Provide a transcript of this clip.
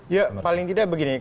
ya paling tidak begini